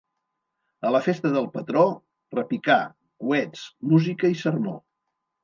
A la festa del patró: repicar, coets, música i sermó.